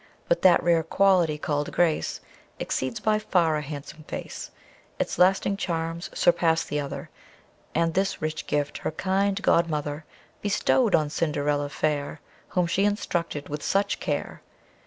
But that rare quality call'd grace, Exceeds, by far, a handsome face; Its lasting charms surpass the other, And this rich gift her kind godmother Bestow'd on Cinderilla fair, Whom she instructed with such care.